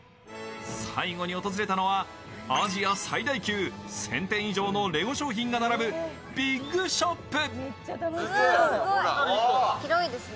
最後に訪れたのはアジア最大級、１０００点以上のレゴ商品が並ぶビッグ・ショップ。